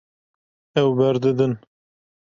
Ew berdidin.